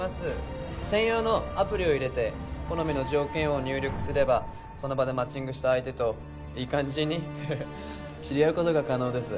専用のアプリを入れて好みの条件を入力すればその場でマッチングした相手といい感じに知り合う事が可能です。